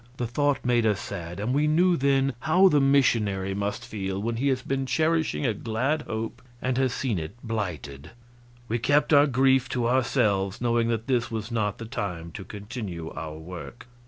The thought made us sad, and we knew then how the missionary must feel when he has been cherishing a glad hope and has seen it blighted. We kept our grief to ourselves, knowing that this was not the time to continue our work.